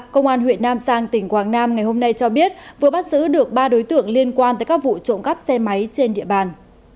công an huyện nam giang tỉnh quảng nam ngày hôm nay cho biết vừa bắt giữ được ba đối tượng liên quan tới các vụ trộm cắp xe máy trên địa bàn